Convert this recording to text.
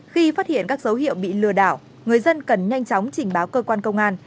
khi phát hiện các dấu hiệu bị lừa đảo người dân cần nhanh chóng trình báo cơ quan công an